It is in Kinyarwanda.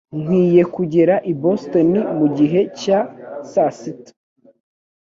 Nkwiye kugera i Boston mugihe cya sasita